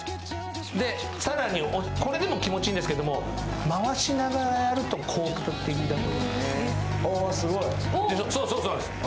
さらに、これでも気持ちいいんですけれども回しながらやると効果的だと。